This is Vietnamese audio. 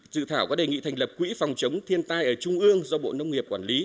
dự thảo có đề nghị thành lập quỹ phòng chống thiên tai ở trung ương do bộ nông nghiệp quản lý